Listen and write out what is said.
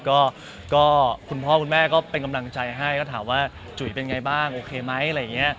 ก็คุณพ่อคุณแม่ก็เป็นกำลังใจให้ก็ถามว่าจุ๋ยเป็นไงบ้างโอเคไหมอะไรอย่างนี้